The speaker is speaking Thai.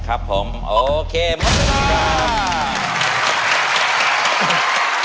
ครับผมโอเคหมดละครับ